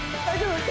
大丈夫？